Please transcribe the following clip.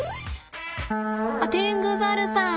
あっテングザルさん！